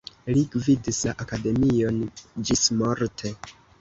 Li gvidis la akademion ĝismorte.